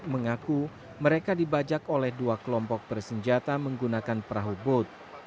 mengaku mereka dibajak oleh dua kelompok bersenjata menggunakan perahu boat